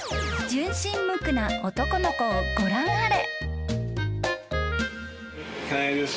［純真無垢な男の子をご覧あれ］